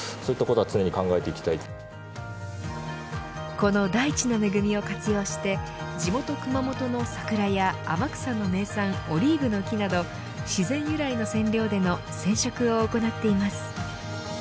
この大地の恵みを活用して地元熊本の桜や天草の名産オリーブの木など自然由来の染料での染色を行っています。